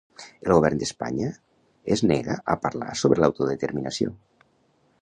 El govern d'Espanya es nega a parlar sobre l'autodeterminació